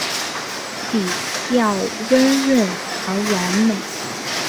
笔调温润而完美